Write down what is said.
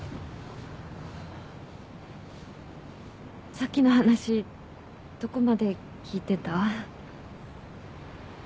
さっきの話どこまで聞いてた？